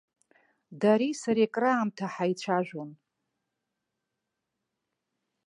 Дареи сареи краамҭа ҳаицәажәон.